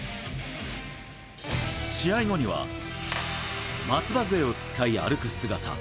試合後には松葉づえを使い歩く姿。